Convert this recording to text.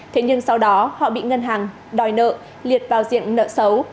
thế nhưng sau đó họ bị ngân hàng đòi nợ liệt vào diện nợ xấu